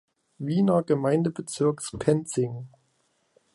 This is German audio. Wiener Gemeindebezirks Penzing.